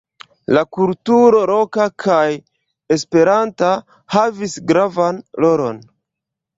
La kulturo, loka kaj esperanta, havis gravan rolon.